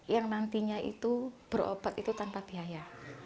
yang nantinya itu berobat itu tanpa biaya